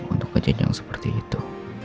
untuk kejadian seperti itu